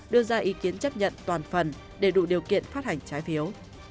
đưa ra ý kiến chấp nhận toàn phần để đủ điều kiện phát hành trái phiếu